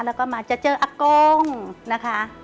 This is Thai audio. แล้วก็มาจะเจออากงนะคะ